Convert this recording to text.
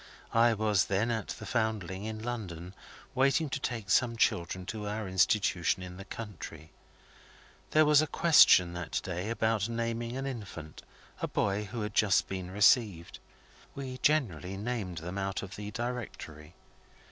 I was then at the Foundling, in London, waiting to take some children to our institution in the country. There was a question that day about naming an infant a boy who had just been received. We generally named them out of the Directory.